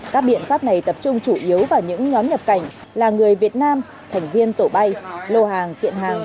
các biện pháp này tập trung chủ yếu vào những nhóm nhập cảnh là người việt nam thành viên tổ bay lô hàng kiện hàng